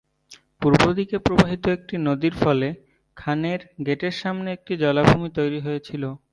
পূর্ব দিকে প্রবাহিত একটি নদীর ফলে "খানের" গেটের সামনে একটি জলাভূমি তৈরি হয়েছিল।